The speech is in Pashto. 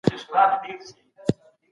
ميئن د كلي پر انجونو يمه